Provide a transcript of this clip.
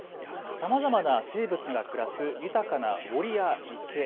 さまざまな生物が暮らす豊かな森や池。